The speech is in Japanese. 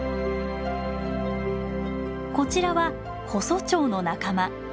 こちらはホソチョウの仲間。